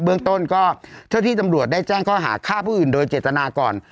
เรื่องต้นก็เจ้าที่ตำรวจได้แจ้งข้อหาฆ่าผู้อื่นโดยเจตนาก่อน